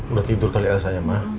udah tidur kali elsa ya ma